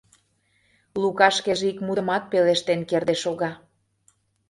Лука шкеже ик мутымат пелештен кертде шога.